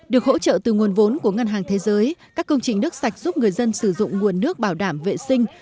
được hỗ trợ từ nguồn vốn của ngân hàng thế giới các công trình nước sạch giúp người dân sử dụng nguồn nước bảo đảm vệ sinh